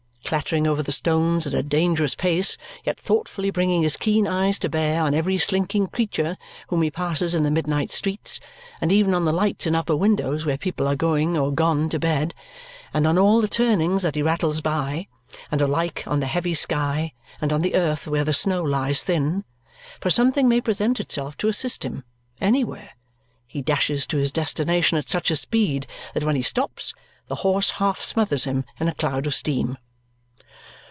Clattering over the stones at a dangerous pace, yet thoughtfully bringing his keen eyes to bear on every slinking creature whom he passes in the midnight streets, and even on the lights in upper windows where people are going or gone to bed, and on all the turnings that he rattles by, and alike on the heavy sky, and on the earth where the snow lies thin for something may present itself to assist him, anywhere he dashes to his destination at such a speed that when he stops the horse half smothers him in a cloud of steam.